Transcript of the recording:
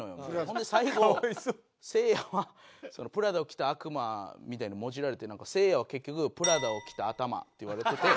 ほんで最後せいやは『プラダを着た悪魔』みたいにもじられて「せいやは結局“プラダを着た頭”」って言われてて。